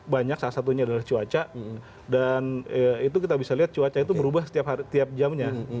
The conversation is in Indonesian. banyak salah satunya adalah cuaca dan itu kita bisa lihat cuaca itu berubah setiap jamnya